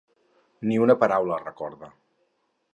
Ni una paraula, recorda!